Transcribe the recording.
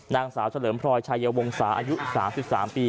นางสาวเฉลิมพลอยชายวงศาอายุ๓๓ปี